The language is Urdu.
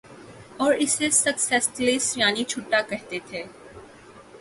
اور اسے سیکستیلیس یعنی چھٹا کہتے تھے